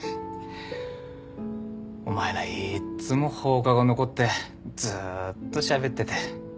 お前らいっつも放課後残ってずーっとしゃべってて。